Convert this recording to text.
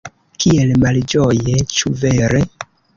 Kiel malĝoje, ĉu vere?